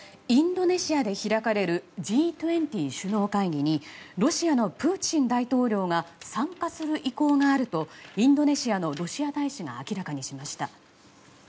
インドネシアで開かれるＧ２０首脳会議にロシアのプーチン大統領が参加する意向があるとインドネシアのロシア大使が明らかにしました。